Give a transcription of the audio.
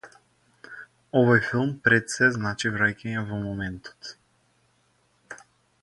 Овој филм, пред сѐ, значи враќање во моментот.